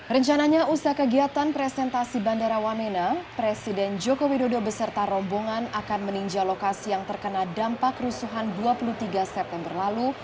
rencananya usaha kegiatan presentasi bandara wamena presiden joko widodo beserta rombongan akan meninjau lokasi yang terkena dampak rusuhan dua puluh tiga september lalu